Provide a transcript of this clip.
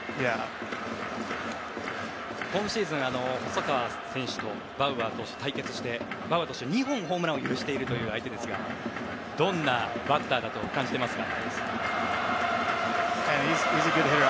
今シーズン、細川選手とバウアー投手、対決してバウアー投手は２本ホームランを許している選手ですがどんなバッターだと感じていますか？